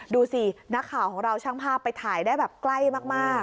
ดูสินักข่าวของเราช่างภาพไปถ่ายได้แบบใกล้มาก